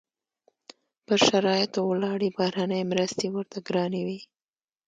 پر شرایطو ولاړې بهرنۍ مرستې ورته ګرانې وې.